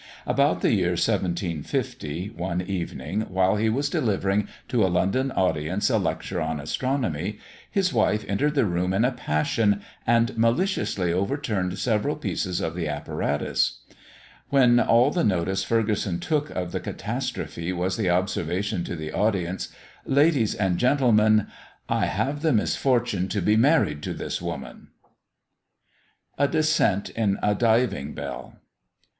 About the year 1750, one evening, while he was delivering to a London audience a lecture on astronomy, his wife entered the room in a passion, and maliciously overturned several pieces of the apparatus; when all the notice Ferguson took of the catastrophe was the observation to the audience "Ladies and gentlemen, I have the misfortune to be married to this woman." A DESCENT IN A DIVING BELL.